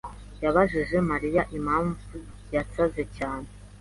yabajije Mariya impamvu yasaze cyane.